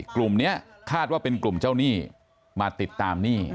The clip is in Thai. กลุ่มนี้คาดว่าเป็นกลุ่มเจ้าหนี้มาติดตามหนี้